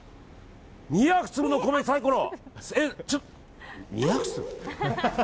２００粒の米サイコロ！